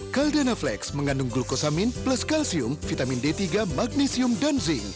caldana flex mengandung glukosamin plus kalsium vitamin d tiga magnesium dan zinc